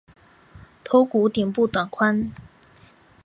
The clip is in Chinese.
头骨顶部短宽。